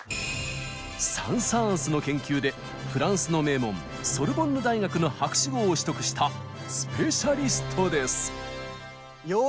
サン・サーンスの研究でフランスの名門ソルボンヌ大学の博士号を取得したスペシャリストです。